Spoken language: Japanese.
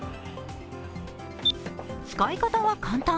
使い方は簡単。